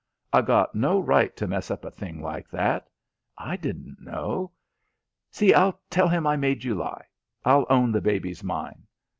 I got no right to mess up a thing like that. I didn't know. See, I'll tell him I made you lie. I'll own the baby's mine."